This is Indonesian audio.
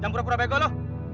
jangan pura pura bego lo